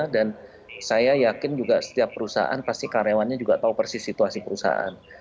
dan saya yakin juga setiap perusahaan pasti karyawannya juga tahu persis situasi perusahaan